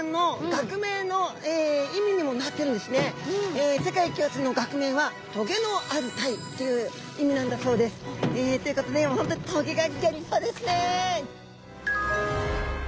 実は世界共通の学名は「棘のあるタイ」という意味なんだそうです。ということで棘がギョ立派ですね。